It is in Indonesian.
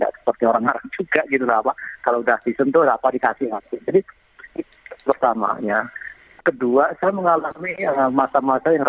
akhirnya hanya dikasih abu dhabi theater